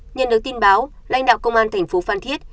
nhân được tin báo lãnh đạo công an thành phố phàn thiết